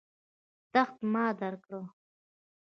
تخت ما درکړ.